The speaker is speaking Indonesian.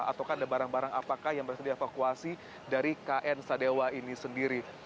ataukah ada barang barang apakah yang berhasil dievakuasi dari kn sadewa ini sendiri